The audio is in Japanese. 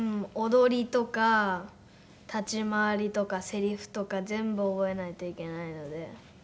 踊りとか立ち回りとかせりふとか全部覚えないといけないので大変ですね。